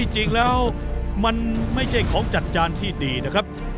จริงแล้วมันไม่ใช่ของจัดจานที่ดีนะครับ